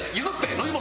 飲み物。